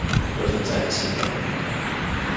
Ur ten-ttɛettibeɣ.